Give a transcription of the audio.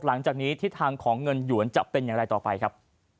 หลังจากนี้ทิศทางของเงินหยวนจะเป็นอย่างไรต่อไปครับ